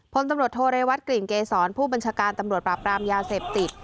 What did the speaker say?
พลตำรวจโทเรวัตกลิ่นเกษรผู้บัญชาการตำรวจปราบรามยาเสพติด